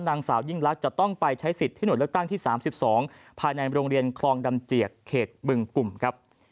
นางสาวยิ่งลักษณ์จะต้องไปใช้สิทธิ์หน่วยเลือกตั้งที่๓๒ภายในโรงเรียนคลองดำเจียกเขตบึงกลุ่มครับ